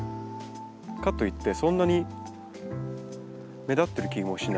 かといってそんなに目立ってる気もしないですね。